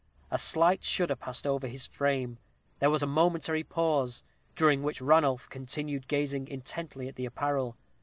A slight shudder passed over his frame. There was a momentary pause, during which Ranulph continued gazing intently at the apparel.